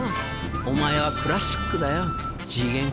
お前はクラシックだよ次元。